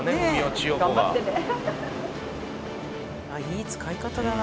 いい使い方だな